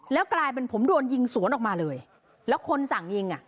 แล้วกลายเป็นผมโดนยิงสวนออกมาเลยแล้วคนสั่งยิงอ่ะ